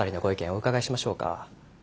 お伺いしましょうか。